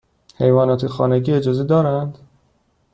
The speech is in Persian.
حیوانات خانگی اجازه دارند؟